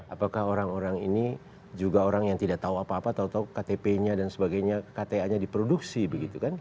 apakah orang orang ini juga orang yang tidak tahu apa apa tau tau ktp nya dan sebagainya kta nya diproduksi begitu kan